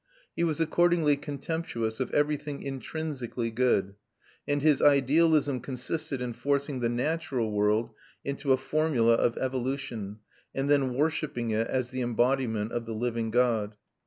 He was accordingly contemptuous of everything intrinsically good, and his idealism consisted in forcing the natural world into a formula of evolution and then worshipping it as the embodiment of the living God.